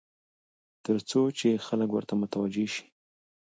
تر څو چې خلک ورته متوجع شي.